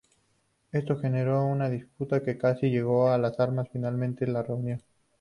Esto generó una disputa que casi llegó a las armas, finalizando la reunión.